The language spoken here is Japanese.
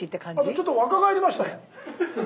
ちょっと若返りましたね。